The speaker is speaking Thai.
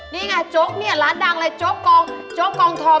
นี่ไงโจ๊กเนี่ยร้านดังเลยโจ๊กกองโจ๊กกองทอง